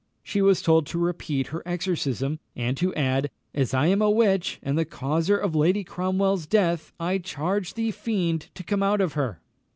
She was told to repeat her exorcism, and to add, "as I am a witch, and the causer of Lady Cromwell's death, I charge thee, fiend, to come out of her!"